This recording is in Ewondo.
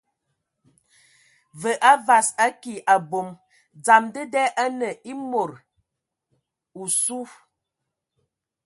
Və a vas, a ki ! Abom dzam dəda anə e mod osu.